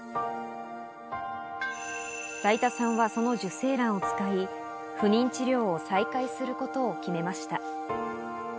だいたさんはその受精卵を使い、不妊治療を再開することを決めました。